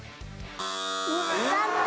残念。